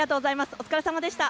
お疲れさまでした。